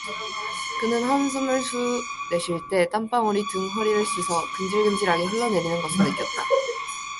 그는 한숨을 후 내쉴 때 땀방울이 등 허리를 씻어 근질근질하게 흘러내리는 것을 느꼈다.